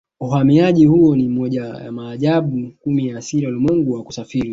Uhamiaji huo ni moja ya maajabu kumi ya asili ya ulimwengu ya kusafiri